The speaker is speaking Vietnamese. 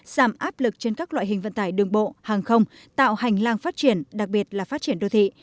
giảm áp lực trên các loại hình vận tải đường bộ hàng không tạo hành lang phát triển đặc biệt là phát triển đô thị